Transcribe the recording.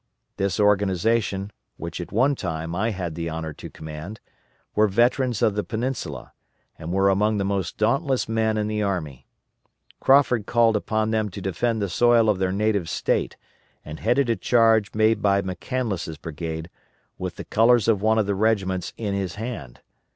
This organization, which at one time I had the honor to command, were veterans of the Peninsula, and were among the most dauntless men in the army. Crawford called upon them to defend the soil of their native State, and headed a charge made by McCandless' brigade, with the colors of one of the regiments in his hand.